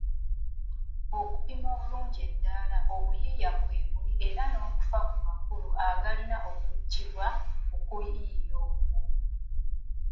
Okupima obulungi eddaala obuyiiya kwe buli era n'okufa ku makulu agalina okuggibwa mu kiyiiye ekyo.